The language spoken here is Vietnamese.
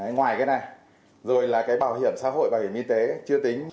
ngoài cái này rồi là cái bảo hiểm xã hội bảo hiểm y tế chưa tính